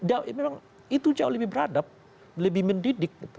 dan memang itu jauh lebih beradab lebih mendidik gitu